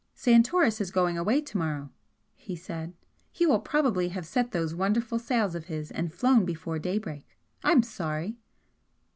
"Santoris is going away to morrow," he said "He will probably have set those wonderful sails of his and flown before daybreak. I'm sorry!"